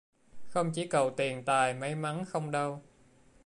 Không chỉ cầu Tiền tài may mắn không đâu